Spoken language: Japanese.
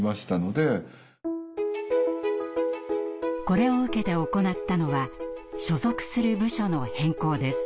これを受けて行ったのは所属する部署の変更です。